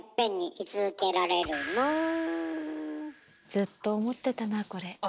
ずっと思ってたなこれ。